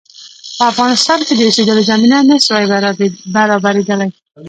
په افغانستان کې د اوسېدلو زمینه نه سوای برابرېدلای.